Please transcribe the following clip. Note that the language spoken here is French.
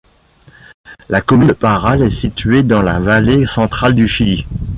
La commune de Parral est située dans la Vallée Centrale du Chili.